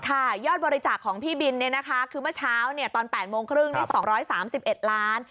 ยอดบริจาคของพี่บินคือเมื่อเช้าตอน๘โมงครึ่ง๒๓๑ล้าน